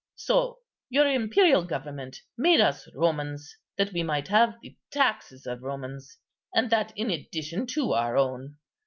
so your imperial government made us Romans, that we might have the taxes of Romans, and that in addition to our own.